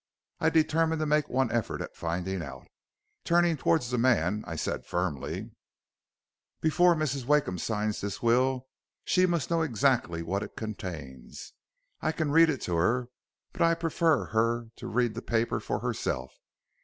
I determined to make one effort at finding out. Turning towards the man, I said firmly: "'Before Mrs. Wakeham signs this will she must know exactly what it contains. I can read it to her, but I prefer her to read the paper for herself.